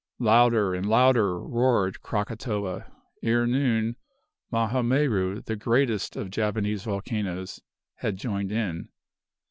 Louder and louder roared Krakatoa; ere noon, Maha Meru, the greatest of Javanese volcanoes, had joined in.